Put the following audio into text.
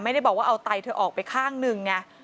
ไม่ได้บอกว่าเอาไตเธอออกไปข้างหนึ่งไง